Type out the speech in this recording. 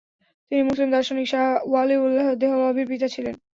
তিনি মুসলিম দার্শনিক শাহ ওয়ালিউল্লাহ দেহলভির পিতা ছিলেন।